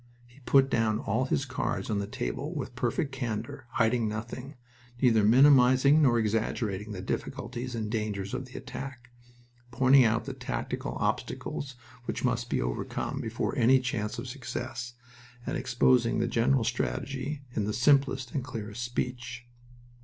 He put down all his cards on the table with perfect candor, hiding nothing, neither minimizing nor exaggerating the difficulties and dangers of the attack, pointing out the tactical obstacles which must be overcome before any chance of success, and exposing the general strategy in the simplest and clearest speech.